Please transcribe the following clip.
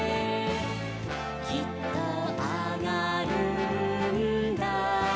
「きっとあがるんだ」